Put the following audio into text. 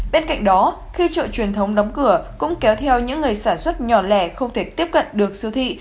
bên cạnh đó khi chợ truyền thống đóng cửa cũng kéo theo những người sản xuất nhỏ lẻ không thể tiếp cận được siêu thị